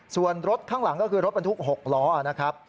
ส่วนรถข้างหลังก็คือรถบรรทุก๖ล้อนะครับ